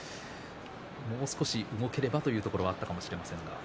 もう少し動ければというところもあったかもしれません。